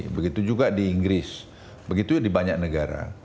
begitu juga di inggris begitu juga di banyak negara